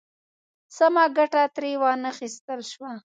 سمه ګټه ترې وا نخیستل شوه.